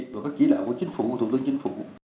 và các chỉ đạo của chính phủ và thủ tướng chính phủ